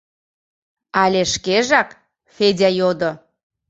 — Але шкежак? — Федя йодо.